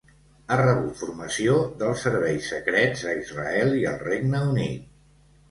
Ha rebut formació dels serveis secrets a Israel i el Regne Unit.